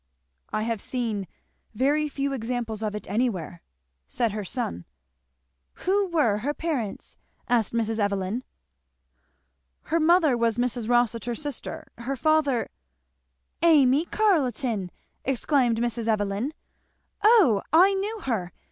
"I have seen very few examples of it anywhere," said her son. "Who were her parents?" said Mrs. Evelyn. "Her mother was Mrs. Rossitur's sister, her father " "Amy Carleton!" exclaimed Mrs. Evelyn, "O I knew her!